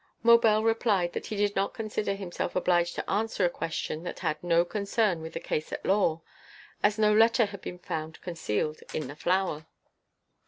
Maubel replied that he did not consider himself obliged to answer a question that had no concern with the case at law, as no letter had been found concealed in the flower.